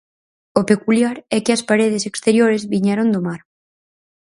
O peculiar é que as paredes exteriores viñeron do mar.